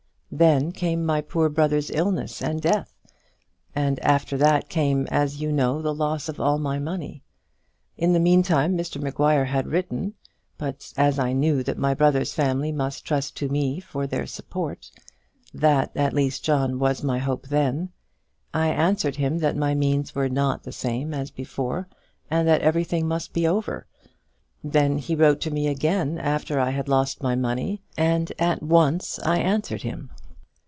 Then came my poor brother's illness and death; and after that came, as you know, the loss of all my money. In the meantime Mr Maguire had written, but as I knew that my brother's family must trust to me for their support that, at least, John was my hope then I answered him that my means were not the same as before, and that everything must be over. Then he wrote to me again after I had lost my money, and once I answered him.